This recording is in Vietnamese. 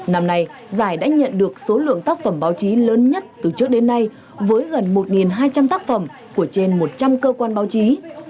năm nay giải đã nhận được số lượng tác phẩm báo chí lớn nhất từ trước đến nay với gần một hai trăm linh tác phẩm của trên một trăm linh cơ quan báo chí